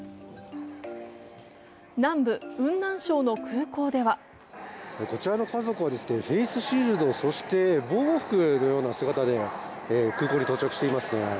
南部・雲南省の空港ではこちらの家族はフェイスシールド、そして防護服のような姿で空港に到着していますね。